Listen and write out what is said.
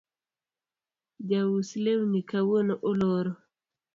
Jaus lewni kawuono oloro